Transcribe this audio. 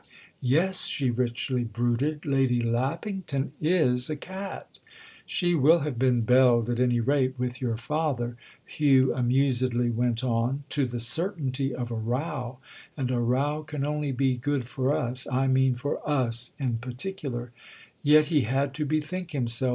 "Yes," she richly brooded—"Lady Lappington is a cat!" "She will have been 'belled,' at any rate, with your father," Hugh amusedly went on, "to the certainty of a row; and a row can only be good for us—I mean for us in particular." Yet he had to bethink himself.